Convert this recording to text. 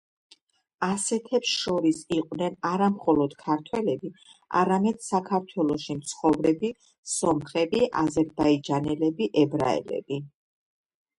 ასეთებს შორის იყვნენ არა მხოლოდ ქართველები, არამედ საქართველოში მცხოვრები სომხები, აზერბაიჯანელები, ებრაელები.